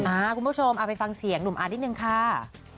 คุณผู้ชมเอาไปฟังเสียงหนุ่มอาร์นิดนึงค่ะ